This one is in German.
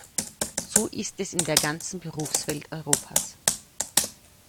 So ist es in der ganzen Berufswelt Europas.